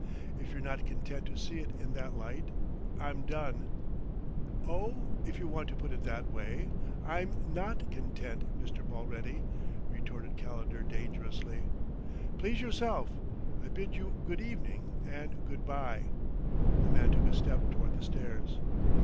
If you're not content to see it in that light, I'm done." "Oh, if you want to put it that way, I'm not content, Mr. Mulready," retorted Calendar dangerously. "Please yourself. I bid you good evening and good by." The man took a step toward the stairs.